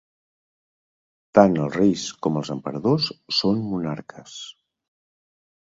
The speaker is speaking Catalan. Tant el reis com els emperadors són monarques.